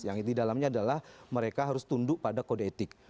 yang di dalamnya adalah mereka harus tunduk pada kode etik